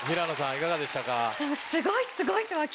いかがでしたか？